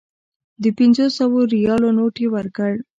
د پنځو سوو ریالو نوټ یې ورکړ.